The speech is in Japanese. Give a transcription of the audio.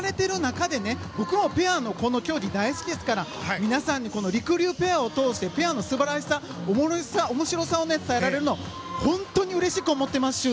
僕もペアの競技大好きですからりくりゅうペアを通してペアのすばらしさ面白さを伝えられるの本当にうれしく思ってます！